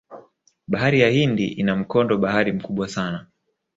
bahari ya hindi ina mkondo bahari mkubwa sana